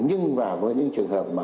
nhưng mà với những trường hợp mà